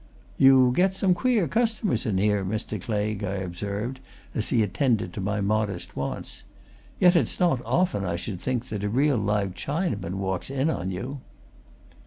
"You get some queer customers in here, Mr. Claigue," I observed as he attended to my modest wants. "Yet it's not often, I should think, that a real live Chinaman walks in on you."